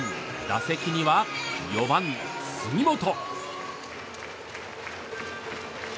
打席には４番、杉本。